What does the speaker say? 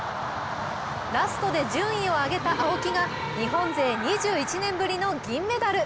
ラストで順位を上げた青木が日本勢２１年ぶりの銀メダル。